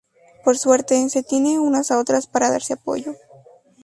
Por suerte, se tienen unas a otras para darse apoyo.